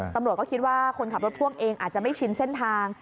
ตำรวจก็คิดว่าคนขับรถพ่วงเองอาจจะไม่ชินเส้นทาง